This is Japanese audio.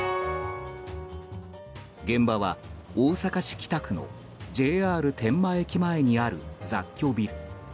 現場は、大阪市北区のＪＲ天満駅前にある雑居ビル。